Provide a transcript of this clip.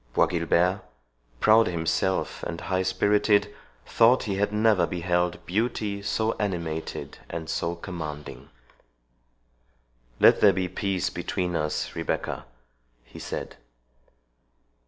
Bois Guilbert, proud himself and high spirited, thought he had never beheld beauty so animated and so commanding. "Let there be peace between us, Rebecca," he said.